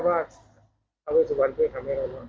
ภาวิทธิวันทำให้เรารอ